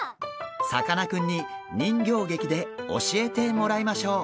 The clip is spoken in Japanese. さかなクンに人形劇で教えてもらいましょう。